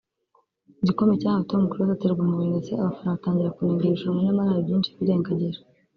igikombe cyahawe Tom Close aterwa amabuye ndetse abafana batangira kunenga iri rushanwa nyamara hari byinshi birengagije